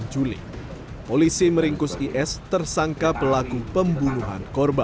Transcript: selasa dua puluh enam juli polisi meringkus is tersangka pelaku pembunuhan korban